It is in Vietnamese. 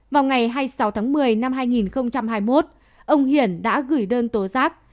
vào ngày hai mươi sáu tháng một mươi năm hai nghìn hai mươi một ông hiển đã gửi đơn tố giác